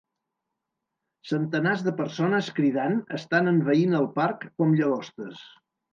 Centenars de persones cridant estan envaint el parc com llagostes!